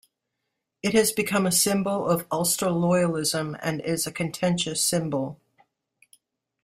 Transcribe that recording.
It has become a symbol of Ulster loyalism and is a contentious symbol.